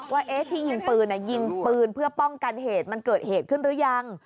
ว่าที่ยิงปืนยิงปืนเพื่อป้องกันเหตุมันเกิดเหตุขึ้นหรือยัง